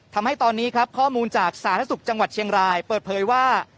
ทำให้ตอนนี้ครับข้อมูลจากสาธารณสุขจังหวัดเชียงรายเปิดเผยว่า